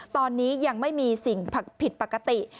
ตอนนี้ยังไม่มีสิ่งผิดปกติ